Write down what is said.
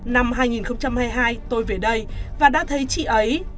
năm hai nghìn hai mươi hai tôi về đây và đã thấy chị ấy